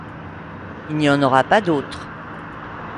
Il n’y en aura pas d’autres.